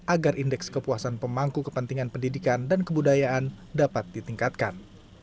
agar indeks kepuasan pemangku kepentingan pendidikan dan kebudayaan dapat ditingkatkan